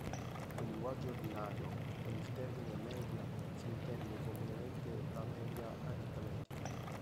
Nel linguaggio ordinario, con il termine "media" si intende comunemente la media aritmetica.